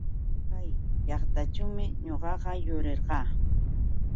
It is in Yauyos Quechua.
Kay llaqtaćhuumi ñuqaqa yurirqaa.